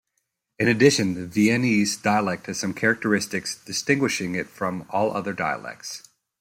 In addition, the Viennese dialect has some characteristics distinguishing it from all other dialects.